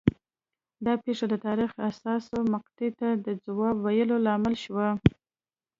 دا پېښه د تاریخ حساسې مقطعې ته د ځواب ویلو لامل شوه